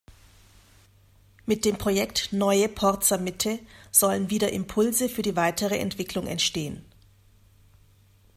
Mit dem Projekt „Neue Porzer Mitte“ sollen wieder Impulse für die weitere Entwicklung entstehen.